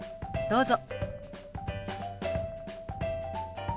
どうぞ。